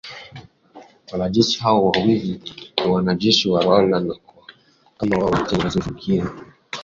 wanajeshi hao wawili ni wanajeshi wa Rwanda na kwamba kamanda wao na Luteni Joseph Rurindo